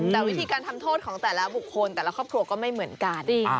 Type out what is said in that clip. แต่วิธีการทำโทษของแต่ละบุคคลแต่ละครอบครัวก็ไม่เหมือนกัน